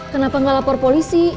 kenapa gak lapor polisi